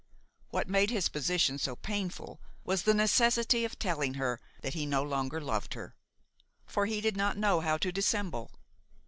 What made his position so painful was the necessity of telling her that he no longer loved her; for he did not know how to dissemble.